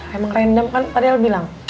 emang random kan tadi el bilang